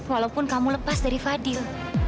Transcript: walaupun kamu lepas dari fadil